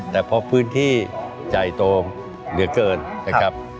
แต่พอพื้นที่ใจโตมเหลือเกินนะครับ